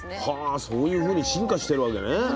はそういうふうに進化してるわけね。